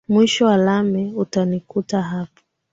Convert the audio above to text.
Mwisho wa lami, utanikuta hapo.